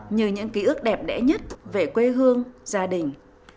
như những ký ức đẹp đẽ nhất về quê hương gia đình